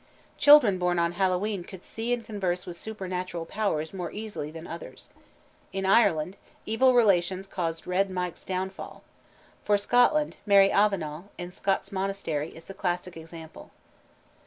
Children born on Hallowe'en could see and converse with supernatural powers more easily than others. In Ireland, evil relations caused Red Mike's downfall (q. v.). For Scotland Mary Avenel, in Scott's Monastery, is the classic example.